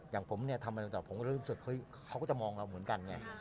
อย่างผมเนี่ยทำอะไรต่างผมก็รู้สึกเฮ้ยเขาก็จะมองเราเหมือนกันไง